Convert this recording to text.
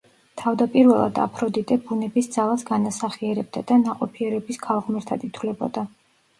თავდაპირველად აფროდიტე ბუნების ძალას განასახიერებდა და ნაყოფიერების ქალღმერთად ითვლებოდა.